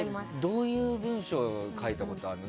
どういう文章を書いたことあるの？